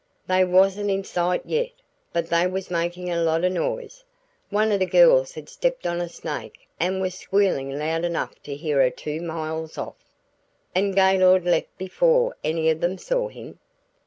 They wasn't in sight yet, but they was makin' a lot o' noise. One o' the girls had stepped on a snake an' was squealin' loud enough to hear her two miles off." "And Gaylord left before any of them saw him?"